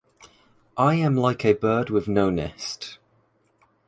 I am like a bird with no nest.